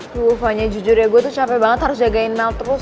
tuh upahnya jujur ya gue tuh capek banget harus jagain note terus